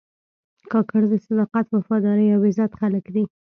کاکړ د صداقت، وفادارۍ او عزت خلک دي.